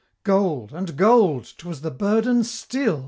Gold! and gold! 'twas the burden still!